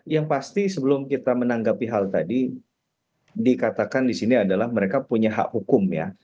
yang pasti sebelum kita menanggapi hal tadi dikatakan di sini adalah mereka punya hak hukum ya